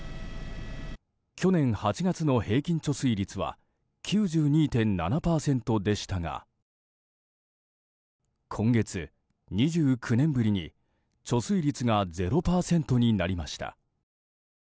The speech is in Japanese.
去年８月の平均貯水率は９２．７％でしたが今月、２９年ぶりに貯水率が０％になりました。